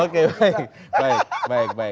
aku senang ini liat